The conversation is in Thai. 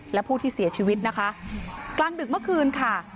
และผู้ที่เสียชีวิตนะคะกลางดึกเมื่อคืนค่ะ